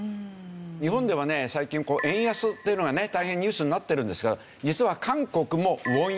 日本ではね最近円安っていうのがね大変ニュースになってるんですが実は。